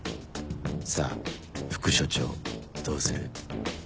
さぁ副署長どうする？